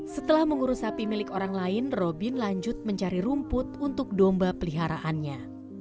setelah mengurus sapi milik orang lain robin lanjut mencari rumput untuk domba peliharaannya